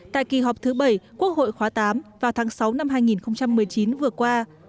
tại kỳ họp thứ bảy quốc hội khóa tám vào tháng sáu năm hai nghìn một mươi chín vừa qua